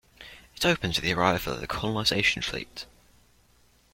It opens with the arrival of the colonization fleet.